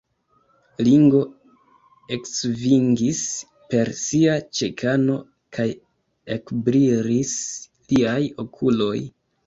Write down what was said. Ringo eksvingis per sia ĉekano, kaj ekbrilis liaj okuloj.